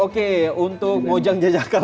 oke untuk mojang jajaka mas